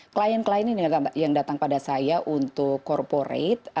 klien klien ini yang datang pada saya untuk corporate